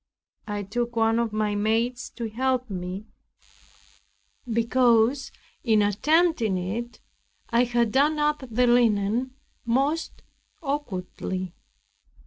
I took one of my maids to help me, because in attempting it I had done up the linen most awkwardly.